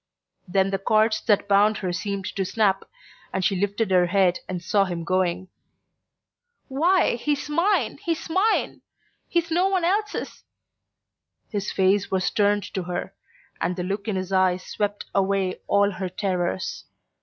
Then the cords that bound her seemed to snap, and she lifted her head and saw him going. "Why, he's mine he's mine! He's no one else's!" His face was turned to her and the look in his eyes swept away all her terrors.